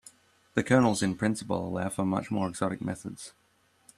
The kernels in principle allow for much more exotic methods.